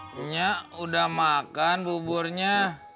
minyak udah makan buburnya